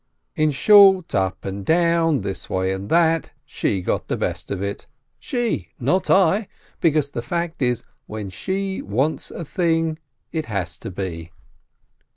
In short, up and down, this way and that way, she got the best of it — she, not I, because the fact is, when she wants a thing, it has to be